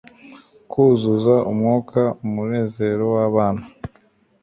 Kuzuza umwuka umunezero wabana